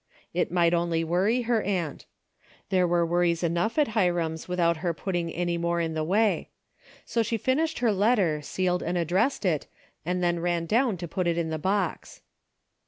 It might only worry her aunt. There were worries enough at Hiram's without her putting any more in the way. So she finished her let ter, sealed and addressed it, and then ran down to put it in the box.